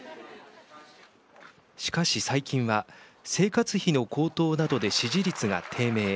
しかし最近は生活費の高騰などで支持率が低迷。